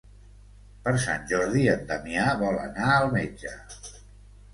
Per Sant Jordi en Damià vol anar al metge.